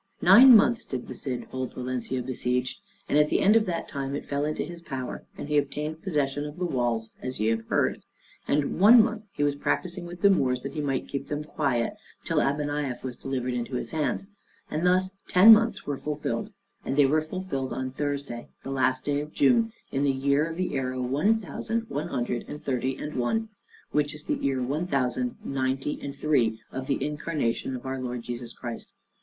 Nine months did the Cid hold Valencia besieged, and at the end of that time it fell into his power, and he obtained possession of the walls, as ye have heard. And one month he was practising with the Moors that he might keep them quiet, till Abeniaf was delivered into his hands; and thus ten months were fulfilled, and they were fulfilled on Thursday, the last day of June, in the year of the era one thousand one hundred and thirty and one, which was in the year one thousand ninety and three of the incarnation of our Lord Jesus Christ.